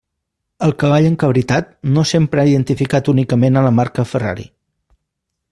El cavall encabritat no sempre ha identificat únicament a la marca Ferrari.